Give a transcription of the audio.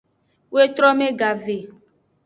Wetrome gave.